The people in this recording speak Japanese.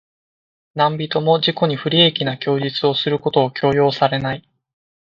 何人（なんびと）も自己に不利益な供述をすることを強要されない。